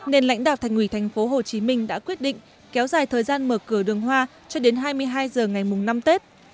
nên lãnh đạo thành ủy tp hcm đã quyết định kéo dài thời gian mở cửa đường hoa cho đến hai mươi hai h ngày mùng năm tết